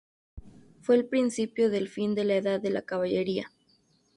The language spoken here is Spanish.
Fue el principio del fin de la edad de la caballería.